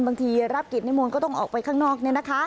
บางทีรับกิจนิมนต์ก็ต้องออกไปข้างนอก